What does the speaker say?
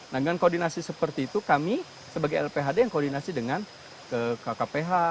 nah dengan koordinasi seperti itu kami sebagai lphd yang koordinasi dengan kkph